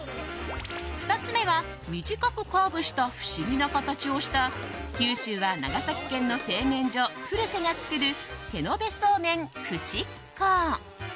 ２つ目は短くカーブした不思議な形をした九州は長崎県の製麺所ふるせが作る手延べそうめんふしっこ。